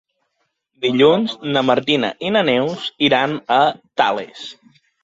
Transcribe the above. Dilluns na Martina i na Neus iran a Tales.